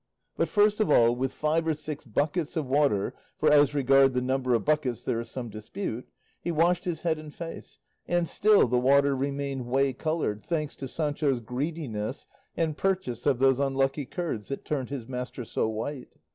But first of all, with five or six buckets of water (for as regard the number of buckets there is some dispute), he washed his head and face, and still the water remained whey coloured, thanks to Sancho's greediness and purchase of those unlucky curds that turned his master so white.